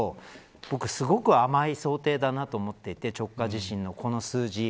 僕すごく甘い想定だなと思っていて直下地震のこの数字。